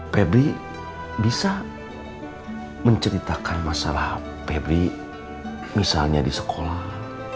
febri bisa menceritakan masalah febri misalnya di sekolah